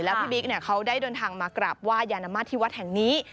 พี่บิ๊กเขาได้เดินทางมากราบไห้ยานมาตรที่วัดแห่งนี้